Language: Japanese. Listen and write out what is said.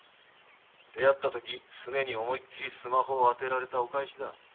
「出会った時スネに思いっきりスマホを当てられたお返しだ」。